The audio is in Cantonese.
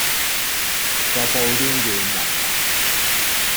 個布甸軟腍腍